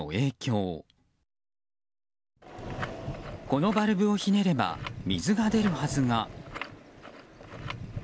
このバルブをひねれば水が出るはずが。